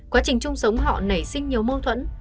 quá trình chung sống họ nảy sinh nhiều mâu thuẫn